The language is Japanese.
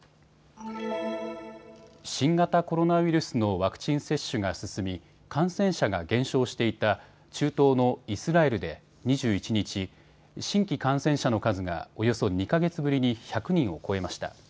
新型コロナウイルスのワクチン接種が進み感染者が減少していた中東のイスラエルで２１日、新規感染者の数がおよそ２か月ぶりに１００人を超えました。